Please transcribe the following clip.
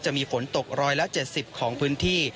จะมีฝนตก๑๗๐ของพื้นที่